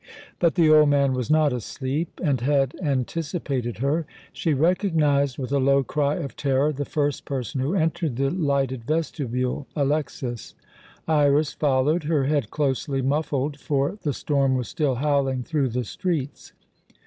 But the old man was not asleep, and had anticipated her. She recognized, with a low cry of terror, the first person who entered the lighted vestibule Alexas. Iras followed, her head closely muffled, for the storm was still howling through the streets.